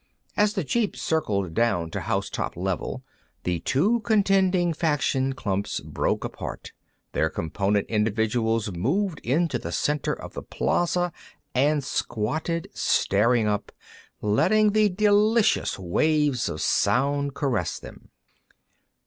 As the jeep circled down to housetop level, the two contending faction clumps broke apart; their component individuals moved into the center of the plaza and squatted, staring up, letting the delicious waves of sound caress them.